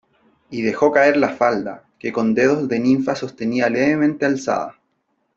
y dejó caer la falda , que con dedos de ninfa sostenía levemente alzada .